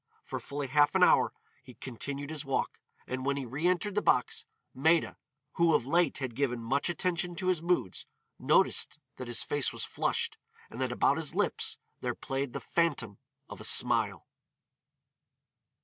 For fully half an hour he continued his walk, and when he re entered the box, Maida, who of late had given much attention to his moods, noticed that his face was flushed, and that about his lips there played the phantom of a smile.